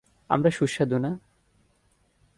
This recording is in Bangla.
আমরা সুস্বাদু না।